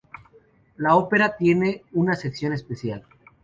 La ópera tiene una sección especial.